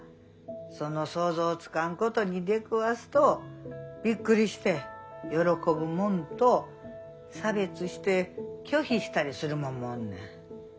その想像つかんことに出くわすとびっくりして喜ぶもんと差別して拒否したりするもんもおんねん。